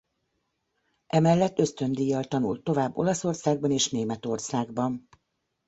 Emellett ösztöndíjjal tanult tovább Olaszországban és Németországban.